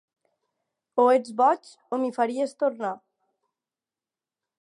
O ets boig o m'hi faries tornar